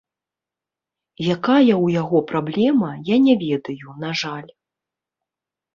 Якая ў яго праблема, я не ведаю, на жаль.